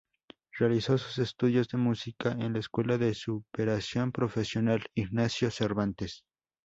Realizó sus estudios de música en la Escuela de Superación Profesional Ignacio Cervantes.